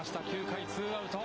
９回ツーアウト。